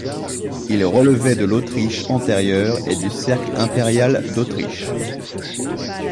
Il relevait de l'Autriche antérieure et du cercle impérial d'Autriche.